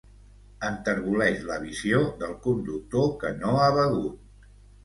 Enterboleix la visió del conductor que no ha begut.